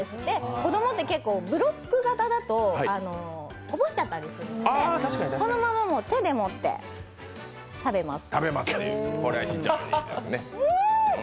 子供って結構ブロック型だとこぼしちゃったりするのでこのまま手で持って食べます。